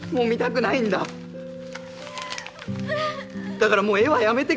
だからもう絵はやめてくれ。